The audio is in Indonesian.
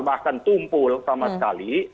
bahkan tumpul sama sekali